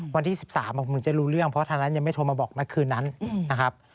วันที่๑๓ผมจะรู้เรื่องเพราะทางนั้นยังไม่โทรมาบอกนักคืนนั้นนะครับ